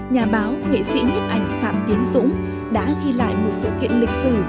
nhà báo nghệ sĩ nhấp ảnh phạm tiến dũng đã ghi lại một sự kiện lịch sử